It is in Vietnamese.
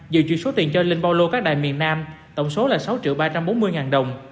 dự chuyển số tiền cho linh bao lô các đài miền nam tổng số là sáu triệu ba trăm bốn mươi ngàn đồng